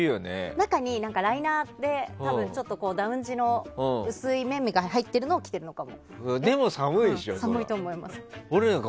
中にライナーって多分ダウン地の薄いのが入っているのを着ているのかも。